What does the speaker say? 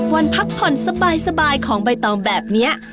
พักผ่อนสบายของใบตองแบบนี้